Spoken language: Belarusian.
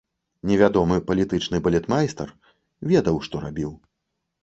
Невядомы палітычны балетмайстар ведаў, што рабіў.